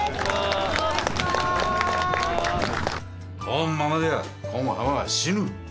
こんままではこん浜は死ぬ。